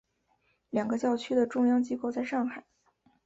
两个教区的中央机构在上海。